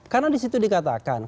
karena di situ dikatakan